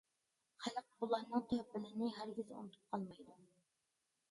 خەلق بۇلارنىڭ تۆھپىلىرىنى ھەرگىز ئۇنتۇپ قالمايدۇ.